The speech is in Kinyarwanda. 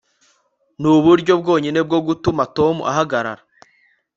nuburyo bwonyine bwo gutuma tom ahagarara